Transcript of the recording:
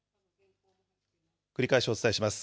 繰り返しお伝えします。